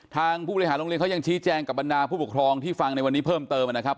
ผู้บริหารโรงเรียนเขายังชี้แจงกับบรรดาผู้ปกครองที่ฟังในวันนี้เพิ่มเติมนะครับ